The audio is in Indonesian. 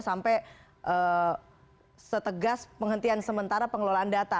sampai setegas penghentian sementara pengelolaan data